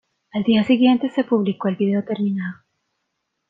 Al día siguiente, se publicó el vídeo terminado.